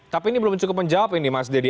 tapi ini belum cukup menjawab ini mas deddy